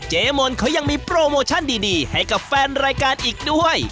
เจ๊มนต์เขายังมีโปรโมชั่นดีให้กับแฟนรายการอีกด้วย